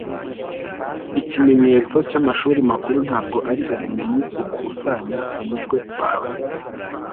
ikimenyetso cy'amashuri makuru ntabwo ari ubumenyi ukusanya mumutwe wawe